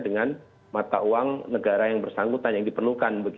dengan mata uang negara yang bersangkutan yang diperlukan